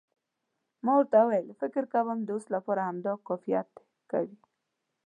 ما ورته وویل فکر کوم د اوس لپاره همدا کفایت کوي.